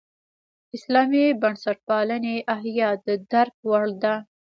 اسلامي بنسټپالنې احیا د درک وړ ده.